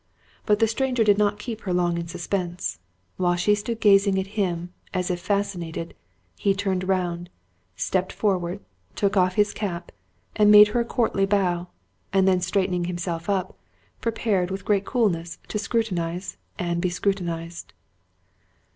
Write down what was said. But the stranger did not keep her long in suspense; while she stood gazing at him, as if fascinated, he turned round, stepped forward, took off his cap, made her a courtly bow, and then straightening himself up, prepared, with great coolness, to scrutinize and be scrutinized.